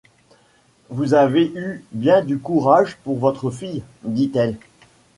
Vous avez eu bien du courage pour votre fille, lui dit-elle.